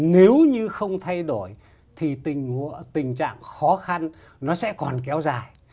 nếu như không thay đổi thì tình trạng khó khăn nó sẽ còn kéo dài